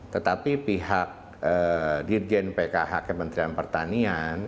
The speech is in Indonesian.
tetapi pihak dirjen pkh kementerian pertanian